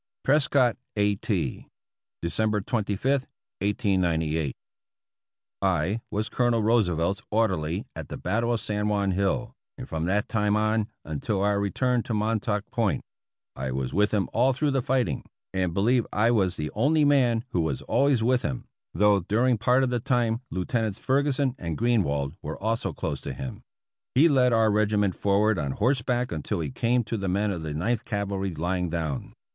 Prescott, a. T., December 25, 1898. I was Colonel Roosevelt's orderly at the battle of San Juan Hill, and from that time on until our return to Mon tauk Point. I was with him all through the fighting, and believe I was the only man who was always with him, though during part of the time Lieutenants Ferguson and Greenwald were also close to him. He led our regiment forward on horseback until he came to the men of the Ninth Cavalry lying down.